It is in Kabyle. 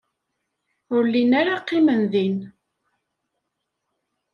Ur llin ara qqimen din.